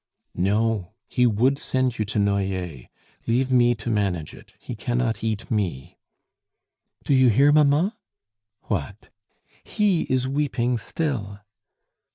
"No; he would send you to Noyers. Leave me to manage it; he cannot eat me." "Do you hear, mamma?" "What?" "He is weeping still."